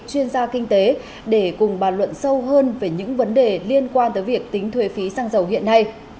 chuyên gia kinh tế để cùng bàn luận sâu hơn về những vấn đề liên quan tới việc tính thuế phí xăng dầu hiện nay